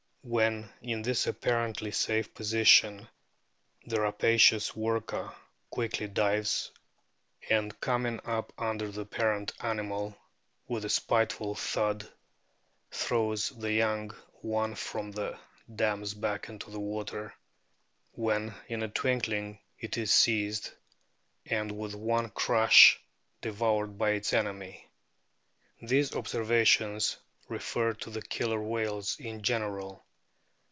When in this apparently safe position the * Phil. Trans., xxxiii., 1725, p. 82 (abridged edition). DOLPHINS 289 rapacious Orca quickly dives, and, coming up under the parent animal, with a spiteful thud throws the young one from the dam's back into the water, when in a twinkling it is seized, and with one crush devoured by its enemy." These observations refer to the Killer whales in general.